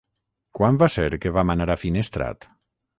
Quan va ser que vam anar a Finestrat?